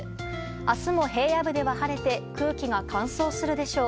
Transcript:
明日も平野部では晴れて空気が乾燥するでしょう。